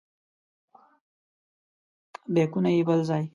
بیکونه یې بل ځای.